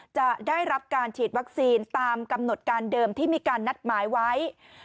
จะได้รับการฉีดวัคซีนตามกำหนดการเดิมที่มีการนัดหมายไว้